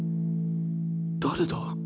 誰だ？